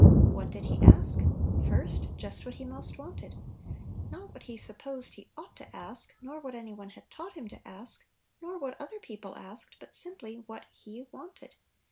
What did he ask? First, just what he most wanted ! Not what he supposed he ought to ask, nor , Little nilotvs. 45 what any one had taught him to ask, nor what other people asked; but sim ply what he wanted.